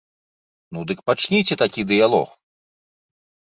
Ну дык пачніце такі дыялог!